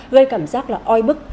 gây cảm giác là oi bức